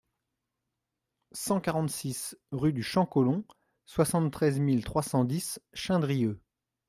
cent quarante-six rue du Champ Collomb, soixante-treize mille trois cent dix Chindrieux